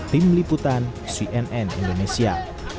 tim liputan cnn indonesia